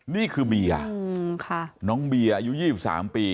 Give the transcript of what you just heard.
นี่คือเบียน้องเบียอายุไยีสิบสาม